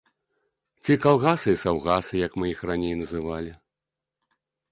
Ці калгасы і саўгасы, як мы іх раней называлі.